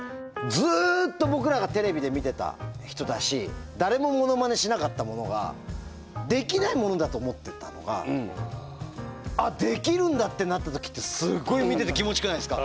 ずっと僕らがテレビで見てた人だし誰もモノマネしなかったものができないものだと思ってたのがあっできるんだってなった時ってすごい見てて気持ちよくないですか？